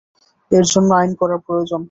এর জন্য আইন করা প্রয়োজন।